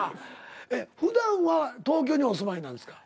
ふだんは東京にお住まいなんですか？